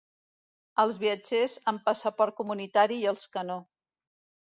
Els viatgers amb passaport comunitari i els que no.